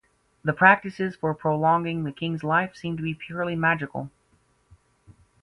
The practices for prolonging the king's life seem to be purely magical.